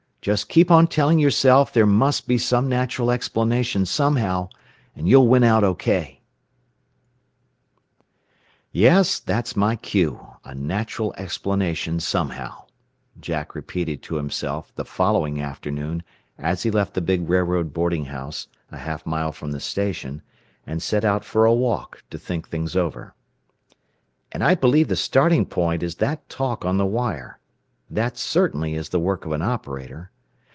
Just keep on telling yourself there must be some natural explanation somehow, and you'll win out OK." "Yes, that's my cue 'a natural explanation somehow,'" Jack repeated to himself the following afternoon as he left the big railroad boarding house, a half mile from the station, and set out for a walk, to think things over. "And I believe the starting point is that talk on the wire. That certainly is the work of an operator.